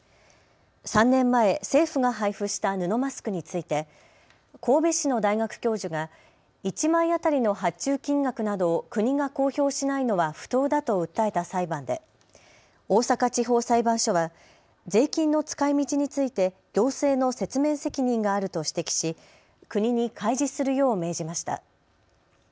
３年前、政府が配布した布マスクについて神戸市の大学教授が１枚当たりの発注金額などを国が公表しないのは不当だと訴えた裁判で大阪地方裁判所は税金の使いみちについて行政の説明責任があると指摘し国に開示するよう命じました。